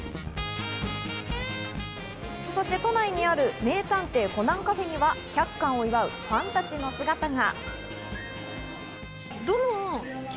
そして都内にある名探偵コナンカフェには１００巻を祝うファンたちの姿が。